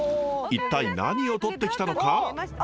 一体何をとってきたのか？